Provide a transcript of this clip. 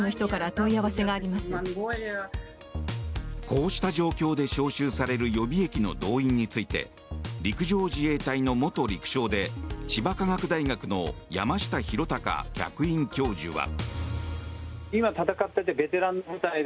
こうした状況で招集される予備役の動員について陸上自衛隊の元陸将で千葉科学大学の山下裕貴客員教授は。